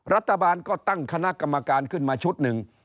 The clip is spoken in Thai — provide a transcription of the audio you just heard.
รัฐบาลก็ตั้งคณะกรรมการขึ้นมาชุดหนึ่ง